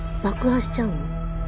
爆破しちゃうの？